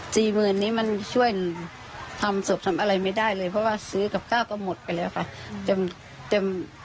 หมื่นนี้มันช่วยทำศพทำอะไรไม่ได้เลยเพราะว่าซื้อกับข้าวก็หมดไปแล้วค่ะเต็มเต็ม